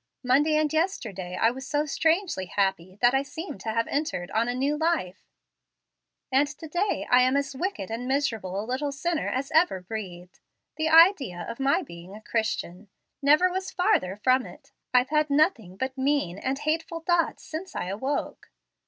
Monday and yesterday I was so strangely happy that I seemed to have entered on a new life, and to day I am as wicked and miserable a little sinner as ever breathed. The idea of my being a Christian! never was farther from it. I've had nothing but mean and hateful thoughts since I awoke."